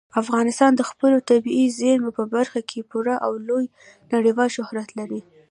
افغانستان د خپلو طبیعي زیرمو په برخه کې پوره او لوی نړیوال شهرت لري.